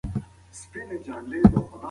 دا پاڅون یو ملي حرکت و.